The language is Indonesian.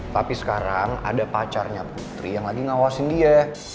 tapi sekarang ada pacarnya putri yang lagi ngawasin dia